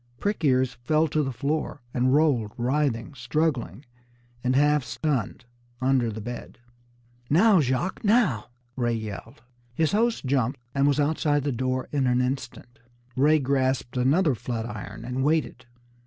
Prick ears fell to the floor, and rolled, writhing, struggling and half stunned, under the bed. "Now, Jacques, now!" Ray yelled. His host jumped, and was outside the door in an instant. Ray grasped another flat iron and waited.